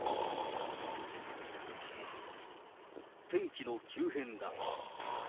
天気の急変だ。